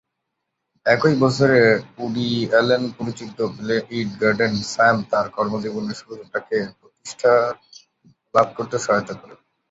একই বছরে Woody Allen পরিচালিত "প্লে ইট অ্যাগেইন, স্যাম" তার কর্মজীবনের শুরুতে তাকে প্রতিষ্ঠা লাভ করতে সহায়তা করে।